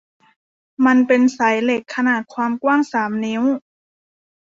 มันเป็นสายเหล็กขนาดความกว้างสามนิ้ว